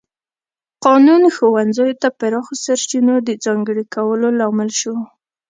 قانون ښوونځیو ته پراخو سرچینو د ځانګړي کولو لامل شو.